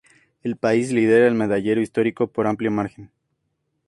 El país lidera el medallero histórico por amplio margen.